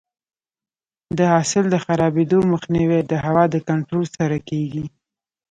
د حاصل د خرابېدو مخنیوی د هوا د کنټرول سره کیږي.